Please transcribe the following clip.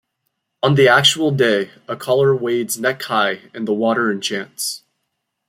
On the actual day, a caller wades neck-high in the water and chants.